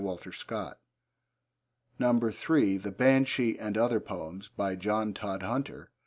(Walter Scott.) (3) The Banshee and Other Poems. By John Todhunter.